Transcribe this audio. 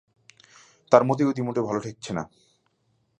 তার মতিগতি মোটেও ভালো ঠেকছে না।